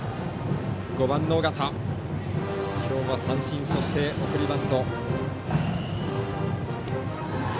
５番の尾形、今日は三振そして送りバント。